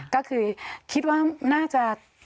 ก็คือคิดว่าน่าจะ